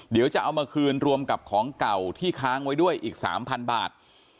เดี๋ยวจะเอามาคืนรวมกับของเก่าที่ค้างไว้ด้วยอีก๓๐๐บาท